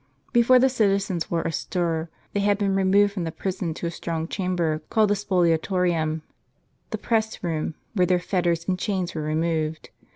Before the citizens were astir, they had been removed from the prison to a strong chamber called the spoliatorium, the press room, where their fetters and chains were removed.